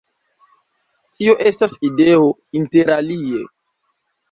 Tio estas ideo, interalie!